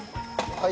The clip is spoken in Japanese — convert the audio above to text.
はい！